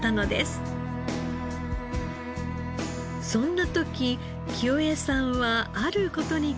そんな時清衛さんはある事に気づきました。